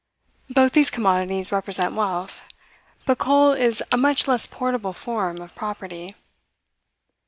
Both these commodities represent wealth; but coal is a much less portable form of property.